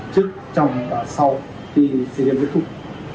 trước trong và sau khi sea games kết thúc